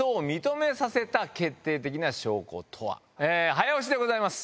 早押しでございます。